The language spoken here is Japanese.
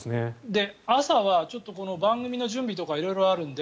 朝は番組の準備とか色々あるので